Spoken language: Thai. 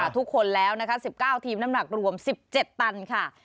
ทุกคนแล้วนะคะ๑๙ทีมน้ำหนักรวม๑๗ตันค่ะ